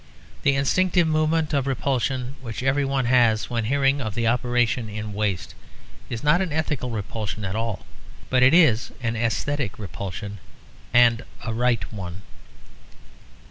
The instinctive movement of repulsion which everyone has when hearing of the operation in Waste is not an ethical repulsion at all. But it is an æsthetic repulsion, and a right one.